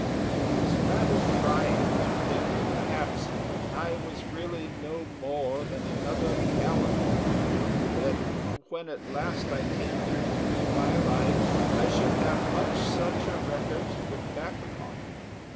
It was rather trying to think that perhaps I was really no more than another Callan, that, when at last I came to review my life, I should have much such a record to look back upon.